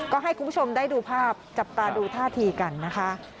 ก็ให้คุณผู้ชมได้ดูภาพจับตาดูท่าทีกันนะคะ